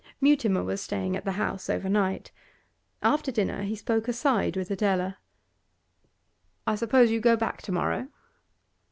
Mutimer was staying at the house over night. After dinner he spoke aside with Adela. 'I suppose you go back to morrow?